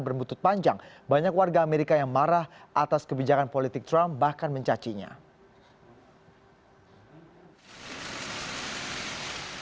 keputusan presiden amerika serikat donald trump mengakui yerusalem sebagai istri jasil